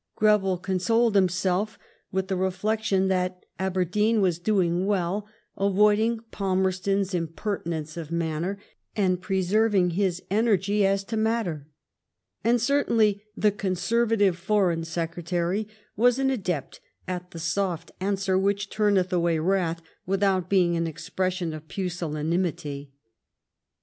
Greville consoled himself with the reflection that '* Aberdeen was doing well, avoiding Falmerston's im pertinence of manner and preserving his energy as to matter "; and certainly the Conservative Foreign Secre tary was an adept at the soft answer which turueth away wrath without being an expression of pusillanimity.